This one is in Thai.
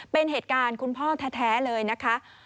เป็นเหตุการณ์คุณพ่อแท้เลยนะคะ